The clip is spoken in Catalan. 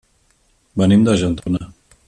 Venim d'Argentona.